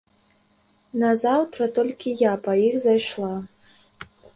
Назаўтра толькі я па іх зайшла.